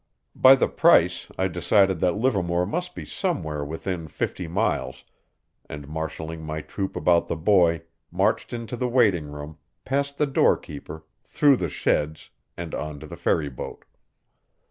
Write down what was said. By the price I decided that Livermore must be somewhere within fifty miles, and marshaling my troop about the boy, marched into the waiting room, past the door keeper, through the sheds, and on to the ferry boat.